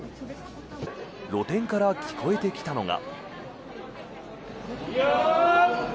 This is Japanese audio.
露店から聞こえてきたのが。